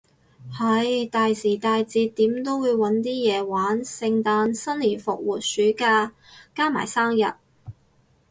係，大時大節點都會搵啲嘢玩，聖誕新年復活暑假，加埋生日